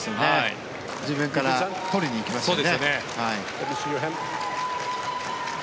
自分から取りに行きましたね。